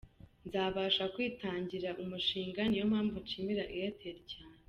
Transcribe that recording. Nzabasha kwitangirira umushinga, niyo mpamvu nshimira Airtel cyane.